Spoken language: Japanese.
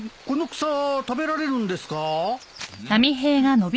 この草食べられるんですか？